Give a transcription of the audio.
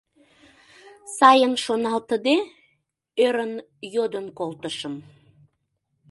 — сайын шоналтыде, ӧрын йодын колтышым.